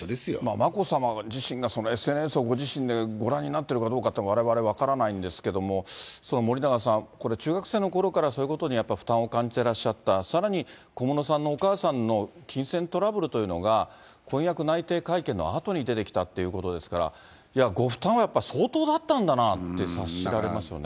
眞子さま自身がＳＮＳをご自身でご覧になってるかどうかというのは、われわれ分からないんですけれども、森永さん、これ、中学生のころからそういうことにやっぱり負担を感じてらっしゃった、さらに小室さんのお母さんの金銭トラブルというのが、婚約内定会見のあとに出てきたっていうことですから、いや、ご負担はやっぱり相当だったんだなって察しられますよね。